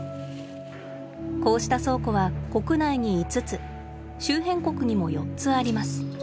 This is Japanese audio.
こうした倉庫は国内に５つ周辺国にも４つあります。